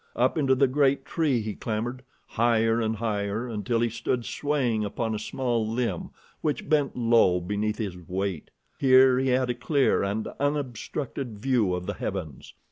Up into a great tree he clambered, higher and higher until he stood swaying upon a small limb which bent low beneath his weight. Here he had a clear and unobstructed view of the heavens.